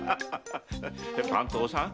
番頭さん。